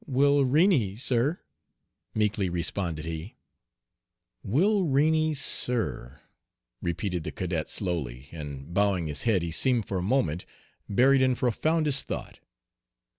"Wilreni, sir," meekly responded he. "Wilreni, sir!" repeated the cadet slowly, and bowing his head he seemed for a moment buried in profoundest thought.